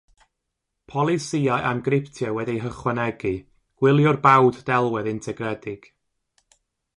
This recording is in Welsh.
Polisïau amgryptio wedi'u hychwanegu, gwyliwr bawd delwedd integredig.